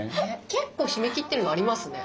結構閉めきってるのありますね。